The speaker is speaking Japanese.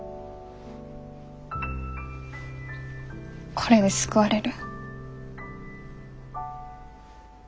これで救われる？